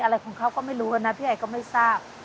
อะไรของเขาก็ไม่รู้แล้วนะพี่ไอก็ไม่ทราบ